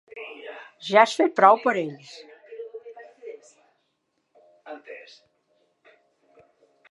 Ja has fet prou per ells.